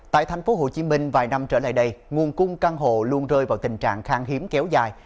tại thành phố hồ chí minh vài năm trở lại đây nguồn cung căn hộ luôn rơi vào tình trạng khang hiếm kéo dài